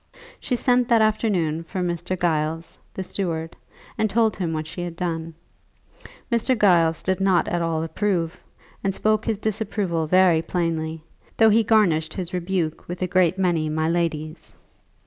She sent that afternoon for Mr. Giles, the steward, and told him what she had done. Mr. Giles did not at all approve, and spoke his disapproval very plainly, though he garnished his rebuke with a great many "my lady's."